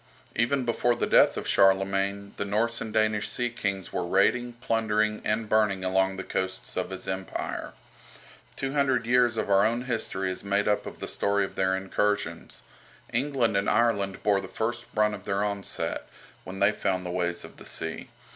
Even before the death of Charlemagne the Norse and Danish sea kings were raiding, plundering, and burning along the coasts of his Empire. Two hundred years of our own history is made up of the story of their incursions. England and Ireland bore the first brunt of their onset, when they found the ways of the sea.